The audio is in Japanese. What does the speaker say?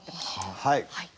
はい。